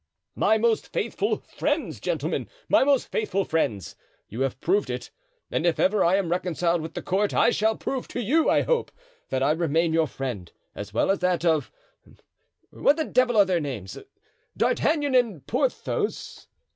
"My most faithful friends, gentlemen, my most faithful friends; you have proved it. And if ever I am reconciled with the court I shall prove to you, I hope, that I remain your friend, as well as that of—what the devil are their names—D'Artagnan and Porthos?"